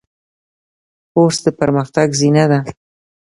کورس د پرمختګ زینه ده.